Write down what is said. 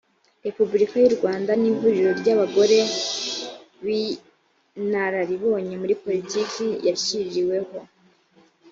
repubulika y u rwanda n ihuriro ry abagore b inararibonye muri politiki yashyiriweho